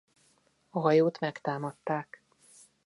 A hajót megtámadták.